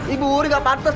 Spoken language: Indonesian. ibu ini gak pantas